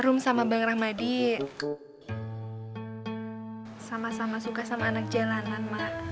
sayang sama bang rahmadi sama sama suka sama anak jalanan mak